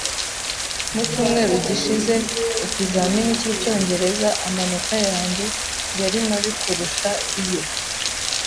Mu cyumweru gishize ikizamini cyicyongereza, amanota yanjye yari mabi kurusha iye.